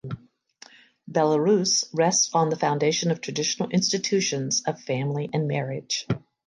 Belarus rests on the foundation of traditional institutions of family and marriage.